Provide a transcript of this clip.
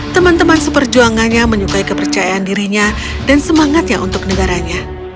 teman teman seperjuangannya menyukai kepercayaan dirinya dan semangatnya untuk negaranya